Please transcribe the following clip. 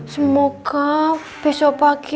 semoga besok pagi